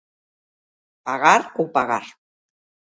Pagar ou pagar.